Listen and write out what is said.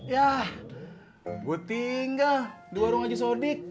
yah gue tinggal di warung aji saudik